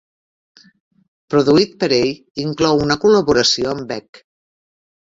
Produït per ell, inclou una col·laboració amb Beck.